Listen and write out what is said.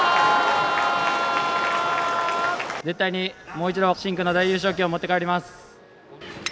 絶対に、もう一度深紅の大優勝旗を持って帰ります。